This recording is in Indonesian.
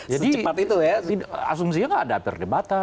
jadi asumsinya nggak ada perdebatan